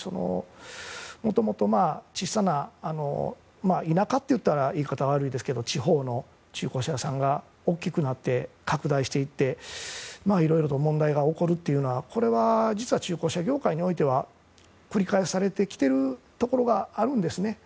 もともと小さな田舎と言ったら言い方悪いですが地方の中古車屋さんが大きくなって拡大していっていろいろと問題が起こるというこれは実は中古車業界においては繰り返されてきてるところがあるんですね。